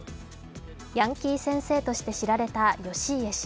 ヤンキー先生として知られた義家氏。